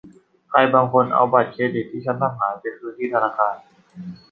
ใครบางคนเอาบัตรเครดิตที่ฉันทำหายไปคืนที่ธนาคาร